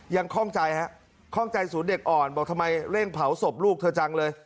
คล่องใจฮะข้องใจศูนย์เด็กอ่อนบอกทำไมเร่งเผาศพลูกเธอจังเลย